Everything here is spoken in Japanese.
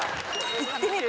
いってみる？